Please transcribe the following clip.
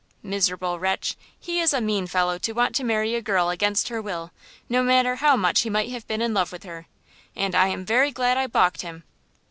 "Miserable wretch! He is a mean fellow to want to marry a girl against her will, no matter how much he might have been in love with her, and I am very glad I balked him.